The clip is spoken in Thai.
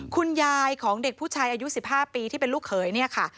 คุณยายของเด็กผู้ชายอายุ๑๕ปีที่เป็นลูกเขยเนี่ยค่ะ